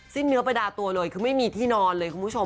เนื้อประดาตัวเลยคือไม่มีที่นอนเลยคุณผู้ชม